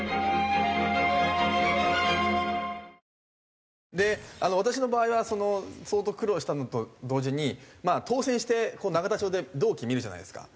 サントリー「ＶＡＲＯＮ」で私の場合は相当苦労したのと同時に当選して永田町で同期見るじゃないですか。